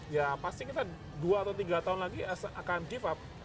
ya pasti kita dua atau tiga tahun lagi akan give up